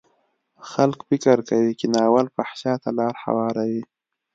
خلک فکر کوي چې ناول فحشا ته لار هواروي.